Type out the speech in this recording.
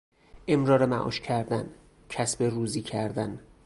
امرار معاش کردن، کسب روزی کردن